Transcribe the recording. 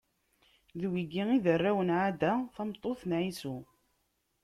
D wigi i d arraw n Ɛada, tameṭṭut n Ɛisu.